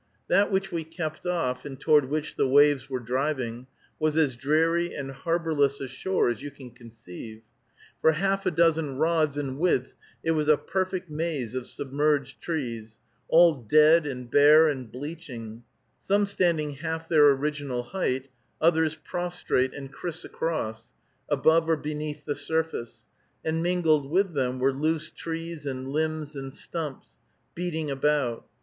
That which we kept off, and toward which the waves were driving, was as dreary and harborless a shore as you can conceive. For half a dozen rods in width it was a perfect maze of submerged trees, all dead and bare and bleaching, some standing half their original height, others prostrate, and criss across, above or beneath the surface, and mingled with them were loose trees and limbs and stumps, beating about.